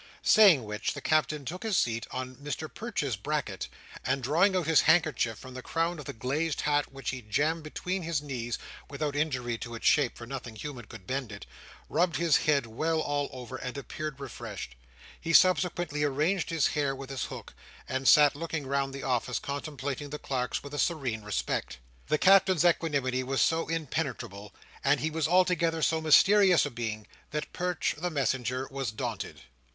Saying which, the Captain took his seat on Mr Perch's bracket, and drawing out his handkerchief from the crown of the glazed hat which he jammed between his knees (without injury to its shape, for nothing human could bend it), rubbed his head well all over, and appeared refreshed. He subsequently arranged his hair with his hook, and sat looking round the office, contemplating the clerks with a serene respect. The Captain's equanimity was so impenetrable, and he was altogether so mysterious a being, that Perch the messenger was daunted.